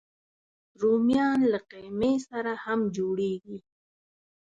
رومیان له قیمې سره هم جوړېږي